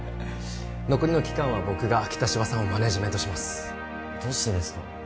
残りの期間は僕が北芝さんをマネージメントしますどうしてですか？